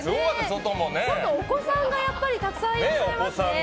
外、お子さんがたくさんいらっしゃいますね。